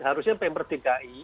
harusnya pemper tiga i